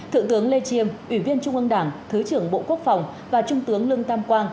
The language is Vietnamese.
thượng tướng lê chiêm ủy viên trung ương đảng thứ trưởng bộ quốc phòng và trung tướng lương tam quang